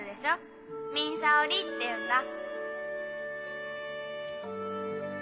みんさー織りっていうんだ。